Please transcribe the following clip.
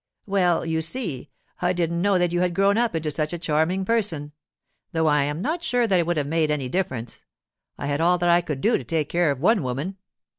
'Well, you see, I didn't know that you had grown up into such a charming person—though I am not sure that it would have made any difference. I had all that I could do to take care of one woman.